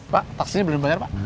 pak taksinya berapa